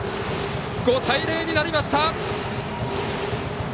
５対０になりました。